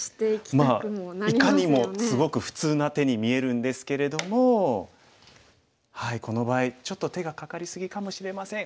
まあいかにもすごく普通な手に見えるんですけれどもこの場合ちょっと手がかかり過ぎかもしれません。